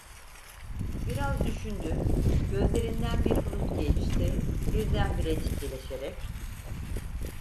Biraz düşündü; gözlerinden bir bulut geçti; birdenbire ciddileşerek: